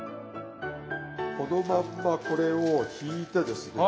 このまんまこれをひいてですね